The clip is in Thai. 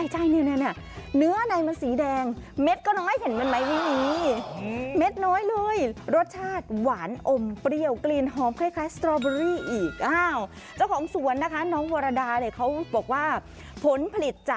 เห้ยเนื้อมันสีแดงอ่ะอ่ะ